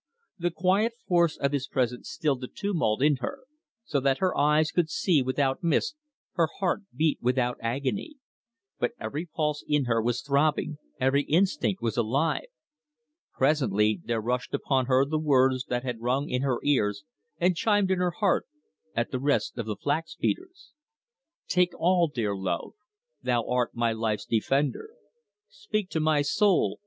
The quiet force of his presence stilled the tumult in her, so that her eyes could see without mist, her heart beat without agony; but every pulse in her was throbbing, every instinct was alive. Presently there rushed upon her the words that had rung in her ears and chimed in her heart at the Rest of the Flax beaters: "Take all, dear love! thou art my life's defender; Speak to my soul!